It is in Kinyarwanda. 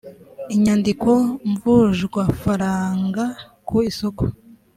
inyandiko mvunjwafaranga ku isoko